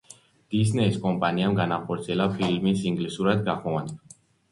დისნეის კომპანიამ განახორციელა ფილმის ინგლისურად გახმოვანება.